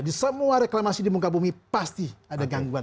jadi semua reklamasi di muka bumi pasti ada gangguan